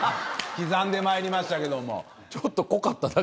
刻んでまいりましたけども。